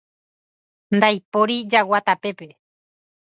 Ndaipóri jagua tapépe